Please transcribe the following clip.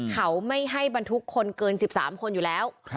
เขาไม่ให้บรรทุกคนเกิน๑๓คนอยู่แล้ว